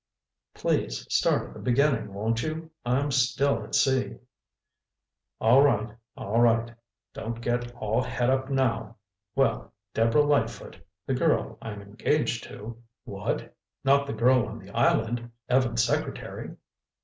"Please start at the beginning, won't you? I'm still all at sea—" "All right, all right—don't get all het up now! Well, Deborah Lightfoot, the girl I'm engaged to—" "What! Not the girl on the island—Evans' secretary?"